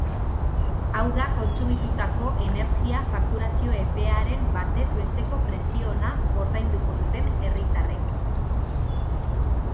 Hau da, kontsumitutako energia fakturazio-epearen batez besteko presiona ordainduko dute herritarrek.